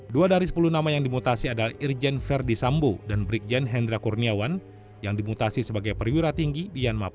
dua dari sepuluh nama yang dimutasi adalah irjen verdi sambo dan brigjen hendra kurniawan yang dimutasi sebagai perwira tinggi di yanma polri